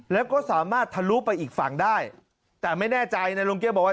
แล้วก็สามารถทะลุไปอีกฝั่งได้แต่ไม่แน่ใจนะลุงเก้บอกว่า